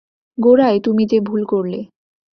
গোড়ায় তুমি যে ভুল করলে।